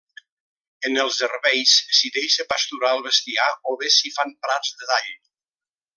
En els herbeis, s’hi deixa pasturar el bestiar o bé s’hi fan prats de dall.